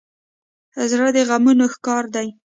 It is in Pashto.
زړه د غمونو ښکار دی.